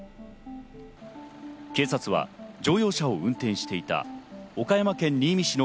警察は乗用車を運転していた岡山県新見市の